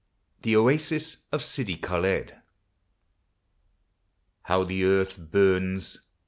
THE OASIS OF SIDI KHALED. How the earth burns